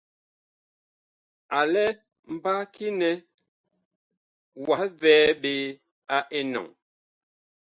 A lɛ mbaki nɛ wah vɛɛ ɓe a enɔŋ ?